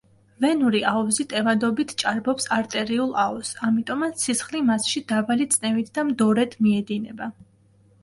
ვენური აუზი ტევადობით ჭარბობს არტერიულ აუზს, ამიტომაც სისხლი მასში დაბალი წნევით და მდორედ მიედინება.